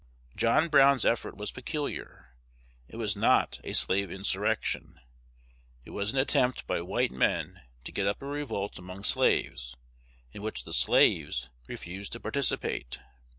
John Brown's effort was peculiar. It was not a slave insurrection. It was an attempt by white men to get up a revolt among slaves, in which the slaves refused to participate.